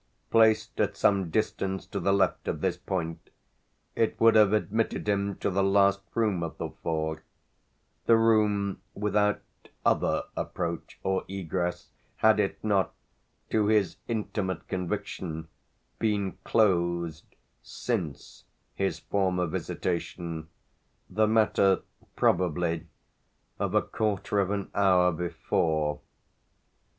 Placed at some distance to the left of this point, it would have admitted him to the last room of the four, the room without other approach or egress, had it not, to his intimate conviction, been closed since his former visitation, the matter probably of a quarter of an hour before.